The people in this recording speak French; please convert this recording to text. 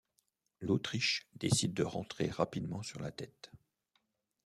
L'Autriche décide de rentrer rapidement sur la tête.